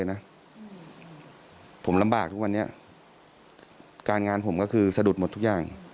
นะผมลำบากทุกวันนี้การงานผมก็คือสะดุดหมดทุกอย่าง